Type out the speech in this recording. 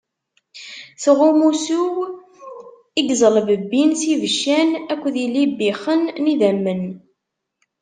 Tɣum usu-w i iẓelbebbin s yibeccan akked yilbixen n yidammen.